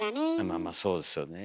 まあまあそうですよね。